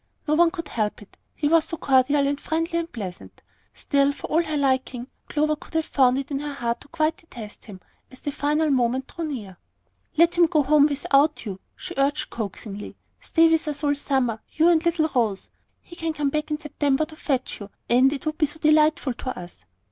No one could help it, he was so cordial and friendly and pleasant. Still, for all her liking, Clover could have found it in her heart to quite detest him as the final moment drew near. "Let him go home without you," she urged coaxingly. "Stay with us all summer, you and little Rose! He can come back in September to fetch you, and it would be so delightful to us."